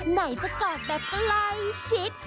ไหนท่ะก่อนแบบไกลชิด